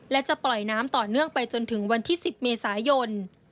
และจะปล่อยน้ำต่อเนื่องไปจนถึงวันที่๑๐เมษายน